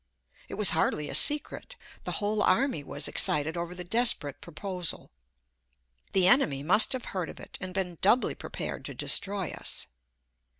It was hardly a secret. The whole army was excited over the desperate proposal. The enemy must have heard of it, and been doubly prepared to destroy us.